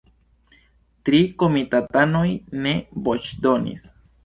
Tri komitatanoj ne voĉdonis.